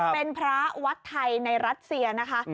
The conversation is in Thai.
เป็นพระวัดไทยในรัสเซียนะคะ